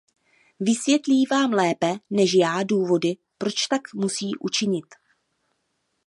Vysvětlí vám lépe než já důvody, proč tak musí učinit.